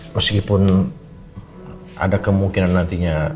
meskipun ada kemungkinan nantinya